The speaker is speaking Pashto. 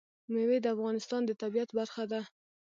مېوې د افغانستان د طبیعت برخه ده.